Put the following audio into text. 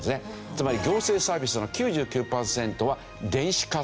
つまり行政サービスの９９パーセントは電子化されている。